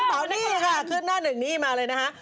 อันนั้นนี่ค่ะขึ้นหน้าหนึ่งนี้มาเลยนะฮะ